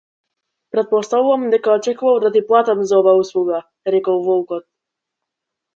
Претпоставувам дека очекуваш да ти платам за оваа услуга, рекол волкот.